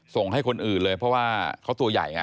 ส่งให้คนอื่นเลยเพราะว่าเขาตัวใหญ่ไง